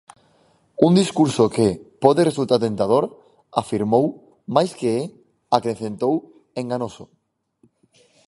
Un discurso que "pode resultar tentador", afirmou, mais que é, acrecentou, "enganoso".